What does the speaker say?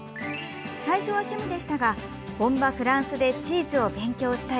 最初は趣味でしたが本場フランスでチーズを勉強したい。